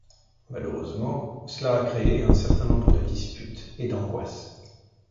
Malheureusement cela a créé un certain nombre de disputes et d’angoisses.